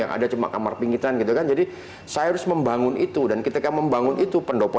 yang ada cuma kamar pinggitan gitu kan jadi saya harus membangun itu dan ketika membangun itu pendopo